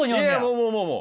もうもうもうもう。